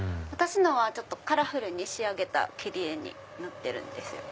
私のはカラフルに仕上げた切り絵になってるんです。